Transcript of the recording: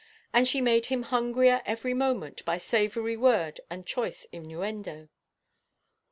And she made him hungrier every moment by savoury word and choice innuendo.